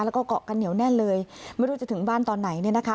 แล้วก็เกาะกันเหนียวแน่นเลยไม่รู้จะถึงบ้านตอนไหนเนี่ยนะคะ